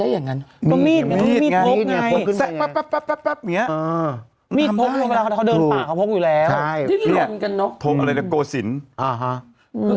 เห็นไหมเหมือนกันนก